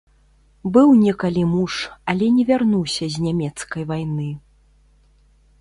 Быў некалі муж, але не вярнуўся з нямецкай вайны.